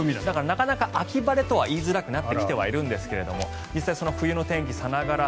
なかなか秋晴れとは言いづらくなってきているんですが実際、その冬の天気さながら